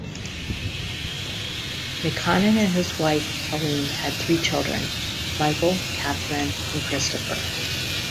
McConnon and his wife Pauline had three children, Michael, Catherine and Christopher.